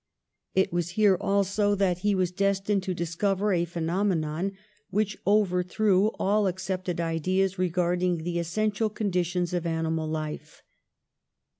It was here also that he was destined to dis cover a phenomenon which overthrew all ac cepted ideas regarding the essential conditions of animal life.